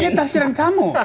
ini taksiran kamu